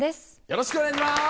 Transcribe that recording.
よろしくお願いします。